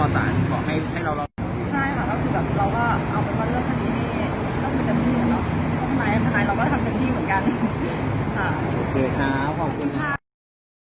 แล้วก็ทำกันที่เหมือนเราทำไหนทำไหนเราก็ทำกันที่เหมือนกันค่ะโอเคค่ะขอบคุณค่ะ